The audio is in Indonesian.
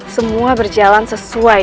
semua berjalan sesuai